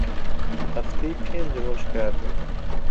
هەفتەی پێنج ڕۆژ کار دەکەم.